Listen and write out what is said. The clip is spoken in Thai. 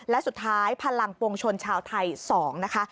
และสุดท้ายพลังปวงชนชาวไทย๒นะคะ